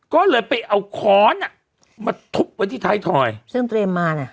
ก็เลยไปเอาค้อนอ่ะมาทุบไว้ที่ท้ายถอยซึ่งเตรียมมาน่ะ